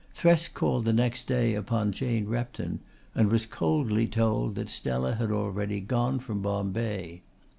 Thresk called the next day upon Jane Repton and was coldly told that Stella had already gone from Bombay.